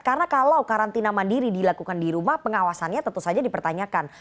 karena kalau karantina mandiri dilakukan di rumah pengawasannya tentu saja dipertanyakan